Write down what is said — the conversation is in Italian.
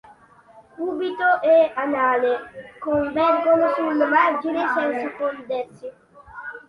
Cubito e anale convergono sul margine senza fondersi.